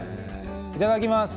いただきます。